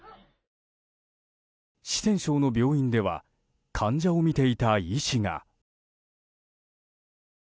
四川省の病院では患者を診ていた医師が。